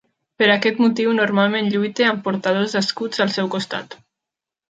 Per aquest motiu normalment lluita amb portadors d'escuts al seu costat.